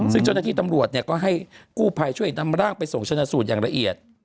ซึ่งเจ้าหน้าที่ตำรวจก็ให้กู้ภัยช่วยนำร่างไปส่งชนะสูตรอย่างละเอียด